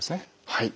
はい。